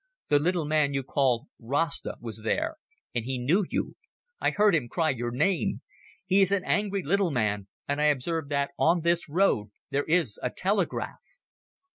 "The little man you call Rasta was there, and he knew you. I heard him cry your name. He is an angry little man, and I observe that on this road there is a telegraph."